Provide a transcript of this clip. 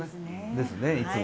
ですよねいつも。